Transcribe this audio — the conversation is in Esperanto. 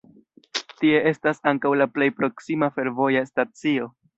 Tie estas ankaŭ la plej proksima fervoja stacio.